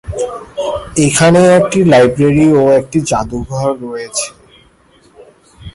এখানে একটি লাইব্রেরী ও একটি জাদুঘর রয়েছে।